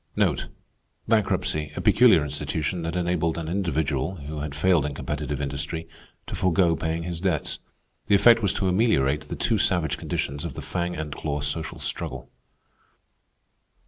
Bankruptcy—a peculiar institution that enabled an individual, who had failed in competitive industry, to forego paying his debts. The effect was to ameliorate the too savage conditions of the fang and claw social struggle.